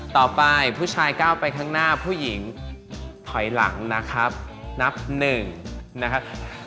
ผู้ชายก้าวไปข้างหน้าผู้หญิงถอยหลังนะครับนับหนึ่งนะครับ